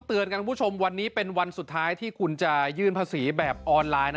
เตือนกันคุณผู้ชมวันนี้เป็นวันสุดท้ายที่คุณจะยื่นภาษีแบบออนไลน์นะ